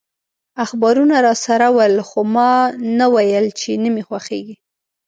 اخبارونه راسره ول، خو ما نه ویل چي نه مي خوښیږي.